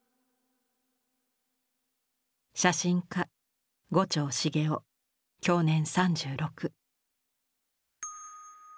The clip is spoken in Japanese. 写真家牛腸茂雄享年３６。